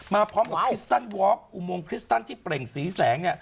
มาพร้อมกับคริสตันวอล์อุโมงคริสตันที่เปล่งสีแสง